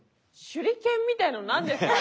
手裏剣みたいなの何ですか？